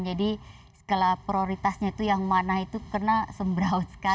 jadi skala prioritasnya itu yang mana itu kena semberaut sekali